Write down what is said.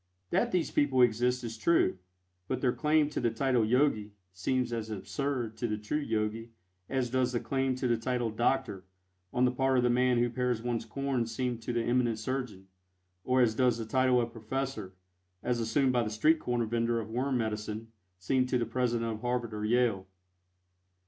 That these people exist is true, but their claim to the title "Yogi" seems as absurd to the true Yogi as does the claim to the title "Doctor" on the part of the man who pares one's corns seem to the eminent surgeon, or as does the title of "Professor," as assumed by the street corner vendor of worm medicine, seem to the President of Harvard or Yale.